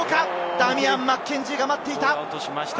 ダミアン・マッケンジーが待っていた！